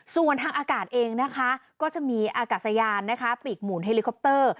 ส่วนทางอากาศเองนะคะก็จะมีอากาศยานนะคะปีกหมุนเฮลิคอปเตอร์